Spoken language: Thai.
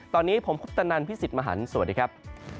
ตอนนี้ผมคุปตนันพี่สิทธิ์มหันฯสวัสดีครับ